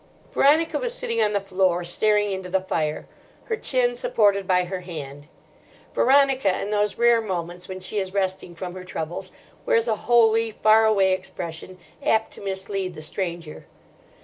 Veronica was sitting on the floor, staring into the fire, her chin supported by her hand. Veronica, in those rare moments when she is resting from her troubles, wears a holy, far away expression apt to mislead the stranger.